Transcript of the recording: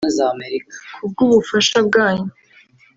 Kubw’ubufasha bwanyu